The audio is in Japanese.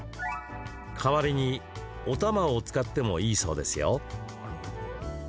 代わりに、おたまを使ってもいいそうですよ。